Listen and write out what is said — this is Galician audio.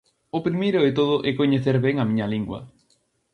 O primeiro de todo é coñecer ben a miña lingua.